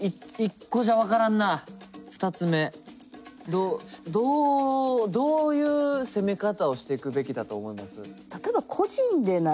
どうどうどういう攻め方をしていくべきだと思います？